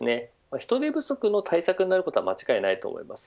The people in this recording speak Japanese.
人手不足の対策になることは間違いないと思います。